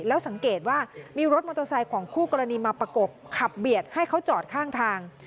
แล้วสังเกตว่ามีรถมอเตอร์ไซค์ของคู่กรณีมาประกบขับเบียดให้เขาจอดข้างทาง